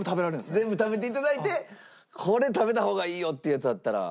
全部食べて頂いてこれ食べた方がいいよ！っていうやつあったら。